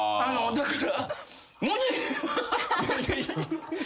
だから。